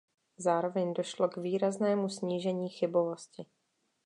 Zároveň došlo k výraznému snížení chybovosti.